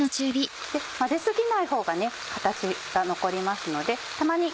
混ぜ過ぎないほうが形が残りますのでたまに